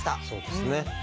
そうですね。